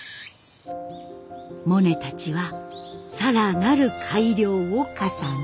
モネたちは更なる改良を重ね。